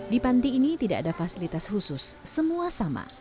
di panti ini tidak ada fasilitas khusus semua sama